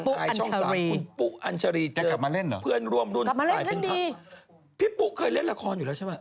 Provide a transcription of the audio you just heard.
กลัวอยู่ไหมพี่กำกร์ปพี่กำกร์ปอยู่ไหม